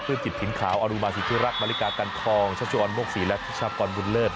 จิตถิ่นขาวอรุมาสิทธิรักษ์มาริกากันทองชัชออนโมกศรีและพิชากรบุญเลิศ